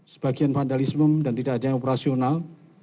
sebagian vandalisme dan tidak ada yang operasional